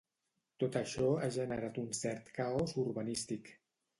Tot això ha generat un cert caos urbanístic.